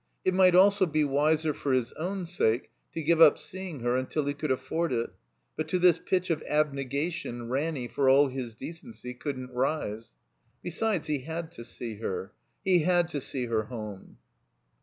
It might also be wiser, for his own sake, to give up seeing her imtil he could afford it; but to this pitch of abnegation Ranny, for all his decency, couldn't rise. Besides, he had to see her. He had to see her home.